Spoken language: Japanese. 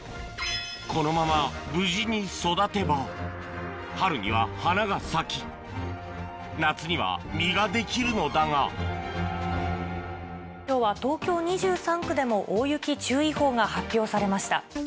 このまま無事に育てば春には花が咲き夏には実ができるのだが今日は東京２３区でも大雪注意報が発表されました。